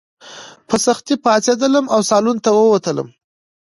په سختۍ پاڅېدله او سالون ته ووتله.